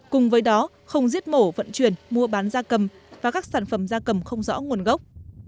cùng với đó không giết mổ vận chuyển mua bán da cầm và các sản phẩm da cầm không rõ nguồn gốc